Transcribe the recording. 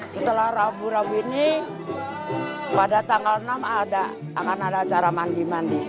setelah rabu rabu ini pada tanggal enam akan ada acara mandi mandi